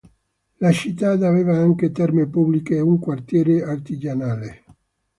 La città aveva anche terme pubbliche e un quartiere artigianale.